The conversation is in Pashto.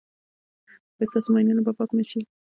ایا ستاسو ماینونه به پاک نه شي؟